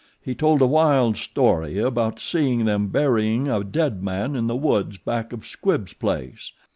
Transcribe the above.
He told a wild story about seeing them burying a dead man in the woods back of Squibbs' place.